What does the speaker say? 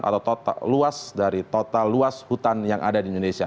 atau luas dari total luas hutan yang ada di indonesia